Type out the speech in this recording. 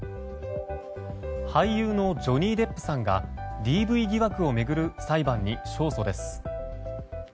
俳優のジョニー・デップさんがＤＶ疑惑を巡る裁判に勝訴です。